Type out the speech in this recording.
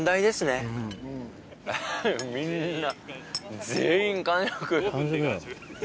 みんな。